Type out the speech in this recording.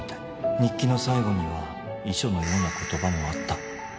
日記の最後には遺書のような言葉もあった。